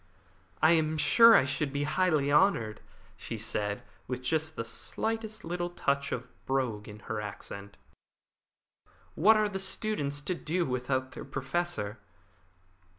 "I am sure I should be highly honoured," she said, with just the slightest little touch of brogue in her accent. "What are the students to do without their Professor?"